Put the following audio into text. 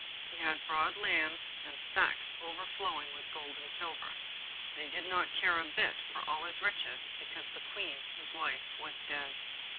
He had broad lands, and sacks overflowing with gold and silver; but he did not care a bit for all his riches, because the Queen, his wife, was dead.